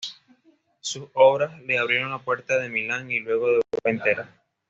Sus obras le abrieron la puerta de Milán y luego de Europa entera.